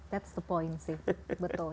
itu poinnya betul